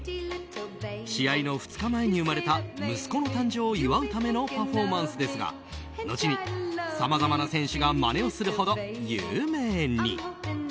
試合の２日前に生まれた息子の誕生を祝うためのパフォーマンスですが後にさまざまな選手がまねをするほど有名に。